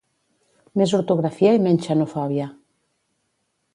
Més ortografia i menys xenofòbia